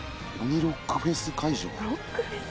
ロックフェス会場？